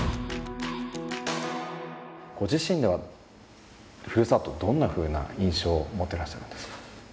ご自身ではふるさとどんなふうな印象を持ってらっしゃるんですか？